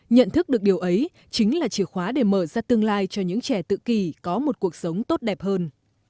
nhận thức được điều ấy chính là chìa khóa để mở ra tương lai cho những trẻ tự kỷ có một cuộc sống tốt đẹp hơn